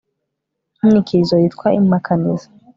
n'inyikirizo yitwa impakanizi